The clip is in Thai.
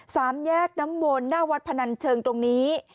สามแยกน้ำมนต์หน้าวัดพนันเชิงตรงนี้